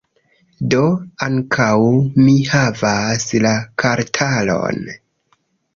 Do, ankaŭ mi havas la kartaron